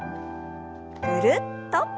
ぐるっと。